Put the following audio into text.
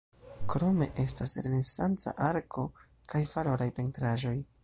Krome estas renesanca arko kaj valoraj pentraĵoj.